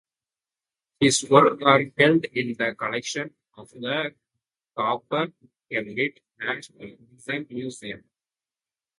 His works are held in the collection of the Cooper-Hewitt, National Design Museum.